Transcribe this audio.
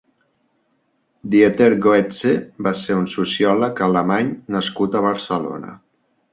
Dieter Goetze va ser un sociòleg alemany nascut a Barcelona.